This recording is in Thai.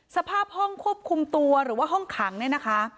สภาพห้องควบคุมตัวหรือว่าห้องขังเนี่ยนะคะ